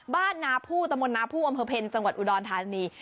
บ้านนาผู้ตะมนตนาผู้อำเภอเพลจังหวัดอุดรธานี